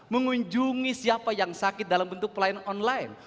mengunjungi siapa yang sakit dalam bentuk pelayanan online